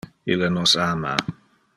Ille nos ama.